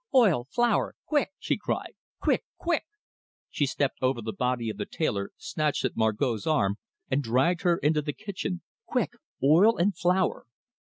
"Oil! flour! Quick!" she cried. "Quick! Quick!" She stepped over the body of the tailor, snatched at Margot's arm, and dragged her into the kitchen. "Quick oil and flour!"